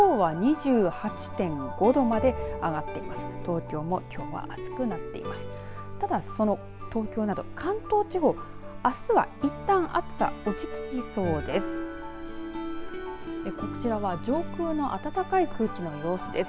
ただ、その東京など関東地方、あすはいったん暑さ落ち着きそうです。